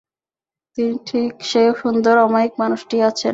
তিনি ঠিক সেই সুন্দর অমায়িক মানুষটিই আছেন।